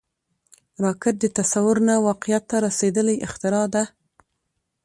راکټ د تصور نه واقعیت ته رسیدلی اختراع ده